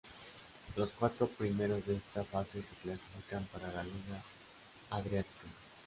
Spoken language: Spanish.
Los cuatro primeros de esta fase se clasifican para la Liga Adriática.